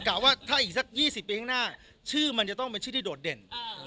ว่าถ้าอีกสัก๒๐ปีข้างหน้าชื่อมันจะต้องเป็นชื่อที่โดดเด่น